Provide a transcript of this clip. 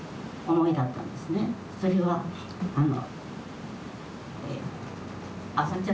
それはあの。